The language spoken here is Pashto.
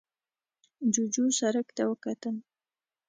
جوجو سرک ته وکتل.